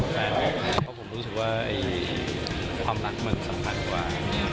เพราะผมรู้สึกว่าความรักมันสำคัญกว่า